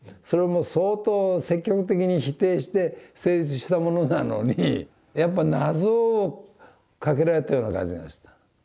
それも相当積極的に否定して成立したものなのにやっぱ謎をかけられたような感じがした。